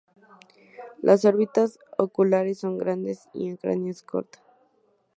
Las órbitas oculares son grandes y el cráneo es corto.